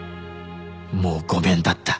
もうごめんだった。